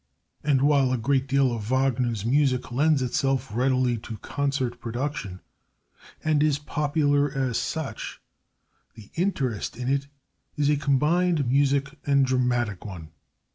And while a great deal of Wagner's music lends itself readily to concert production, and is popular as such, the interest in it is a combined music and dramatic one.